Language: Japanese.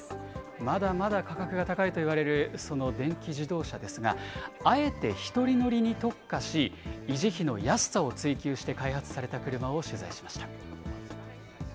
まだまだ価格が高いと言われるその電気自動車ですが、あえて１人乗りに特化し、維持費の安さを追求して開発された車を取材しました。